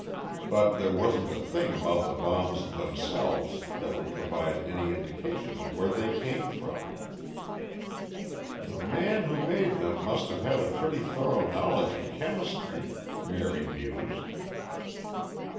But there wasn't a thing about the bombs themselves that would provide any indication of where they came from." "The man who made them must have had a pretty thorough knowledge of chemistry," Mary mused.